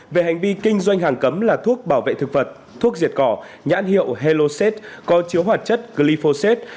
về hành vi kinh doanh hàng cấm là thuốc bảo vệ thực vật thuốc diệt cỏ nhãn hiệu heroset có chứa hoạt chất glyphosate